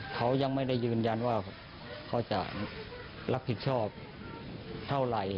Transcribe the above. เขายังไม่ได้ยืนยันว่าเขาจะรับผิดชอบเท่าไหร่